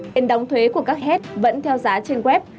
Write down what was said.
yên đóng thuế của các hét vẫn theo giá trên web